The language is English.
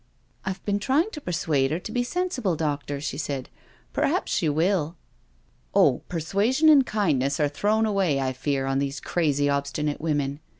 "I've been trying to persuade her to be sensible, doctor," she said. " Perhaps she will." " Oh, persuasion and kindness are thrown away, I fear, on these crazy, obstinate women."